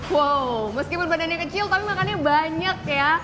wow meskipun badannya kecil tapi makannya banyak ya